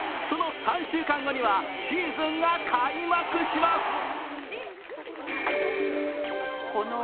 その３週間後にはシーズンが開幕します。